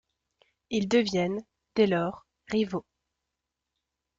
Ils deviennent, dès lors, rivaux.